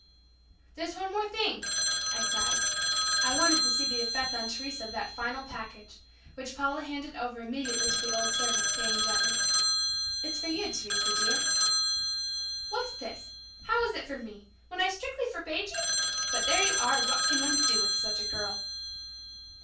"There's one more thing," I cried. I wanted to see the effect on Teresa of that final package, which Paula handed over immediately to the old servant, saying gently, "It's for you, Teresa dear." "What's this? How is it for me? When I strictly forbade you? But there you are! What can one do with such a girl?"